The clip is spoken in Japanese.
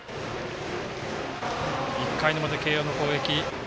１回の表、慶応の攻撃。